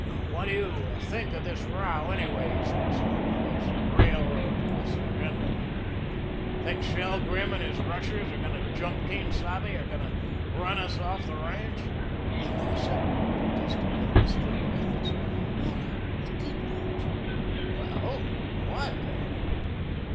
"What do you think of this row, anyways, Miss Hilma, this railroad fuss in general? Think Shelgrim and his rushers are going to jump Quien Sabe are going to run us off the ranch?" "Oh, no, sir," protested Hilma, still breathless. "Oh, no, indeed not." "Well, what then?"